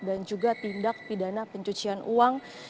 dan juga tindak pidana pencucian uang